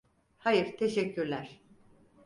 Hayır teşekkürler.